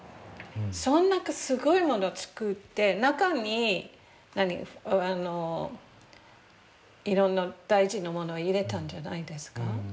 そんなすごいもの作って中にいろんな大事なもの入れたんじゃないですか？